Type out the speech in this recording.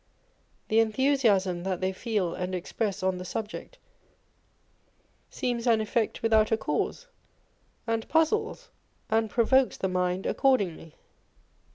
The enthusiasm that they feel and express on the subject seems an effect without a cause, and puzzles and provokes the mind accordingly.